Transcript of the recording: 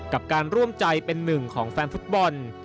กับการร่วมใจเป็นหนึ่งของแฟนฟุตบอล